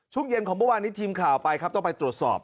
ช่วงเย็นของเมื่อวานนี้ทีมข่าวไปครับต้องไปตรวจสอบ